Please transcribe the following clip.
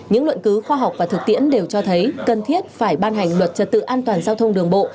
những luận cứu khoa học và thực tiễn đều cho thấy cần thiết phải ban hành luật trật tự an toàn giao thông đường bộ